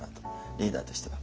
リーダーとしては。